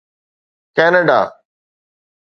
Canada